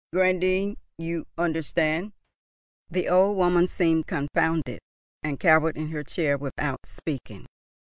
Grandame, you understand?" The old woman seemed confounded, and cowered in her chair without speaking.